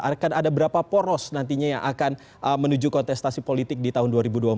akan ada berapa poros nantinya yang akan menuju kontestasi politik di tahun dua ribu dua puluh empat